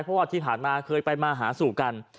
เพราะว่าที่ผ่านมาเคยไปมาหาสู่กัน